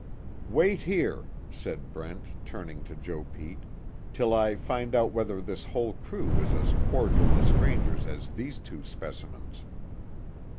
"Wait here," said Brent, turning to Joe Pete, "Till I find out whether this whole crew is as cordial to strangers as these two specimens."